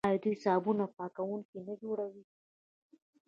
آیا دوی صابون او پاکوونکي نه جوړوي؟